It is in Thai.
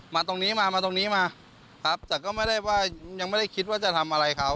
มาตรงนี้มามาตรงนี้มาครับแต่ก็ไม่ได้ว่ายังไม่ได้คิดว่าจะทำอะไรเขา